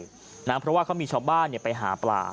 เพราะว่าเขามีชาวบ้านไปหาปลา